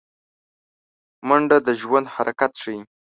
منډه د ژوند حرکت ښيي